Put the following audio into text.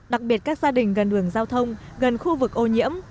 đặc biệt các gia đình gần đường giao thông gần khu vực ô nhiễm